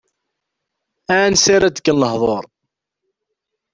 Ansi ara d-kken lehdur!